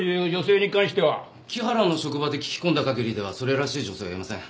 木原の職場で聞き込んだ限りではそれらしい女性はいません。